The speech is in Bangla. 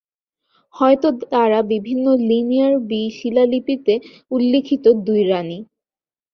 হয়তো তারা বিভিন্ন লিনিয়ার বি শিলালিপিতে উল্লিখিত "দুই রাণী"।